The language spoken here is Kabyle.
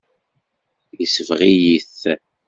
Yesbeɣ-iyi-t.